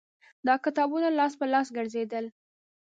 دا کتابونه لاس په لاس ګرځېدل